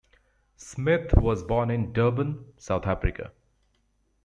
Smith was born in Durban, South Africa.